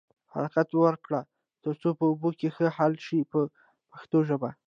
حرکت ورکړئ تر څو په اوبو کې ښه حل شي په پښتو ژبه.